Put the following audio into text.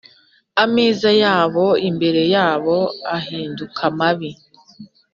Ameza yabo imbere yabo ahinduke mabi